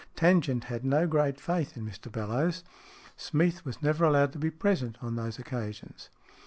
Tangent had no great faith in Mr Bellowes. Smeath was never allowed to be present on these occasions.